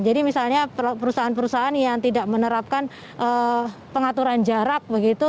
jadi misalnya perusahaan perusahaan yang tidak menerapkan pengaturan jarak begitu